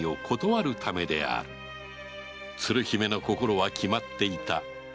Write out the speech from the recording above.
鶴姫の心は決まっていた